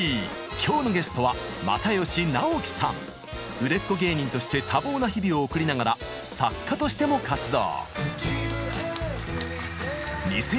今日のゲストは売れっ子芸人として多忙な日々を送りながら作家としても活動。